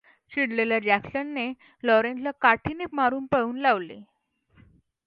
चिडलेल्या जॅक्सनने लॉरेन्सला काठीने मारून पळवून लावले.